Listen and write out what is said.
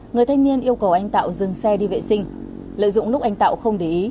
người thanh niên yêu cầu anh tạo dừng xe đi vệ sinh lợi dụng lúc anh tạo không để ý